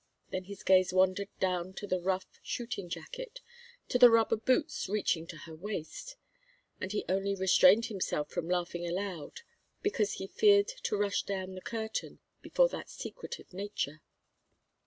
Then his gaze wandered down to the rough shooting jacket, to the rubber boots reaching to her waist, and he only restrained himself from laughing aloud because he feared to rush down the curtain before that secretive nature.